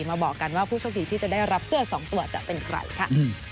มาบอกกันว่าผู้โชคดีที่จะได้รับเสื้อ๒ตัวจะเป็นใครค่ะ